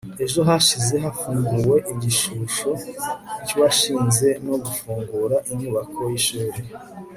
Ejo hashize hafunguwe igishusho cyuwashinze no gufungura inyubako yishuri